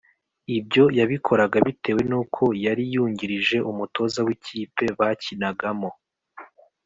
Ibyo yabikoraga bitewe n uko yari yungirije umutoza w ikipe bakinagamo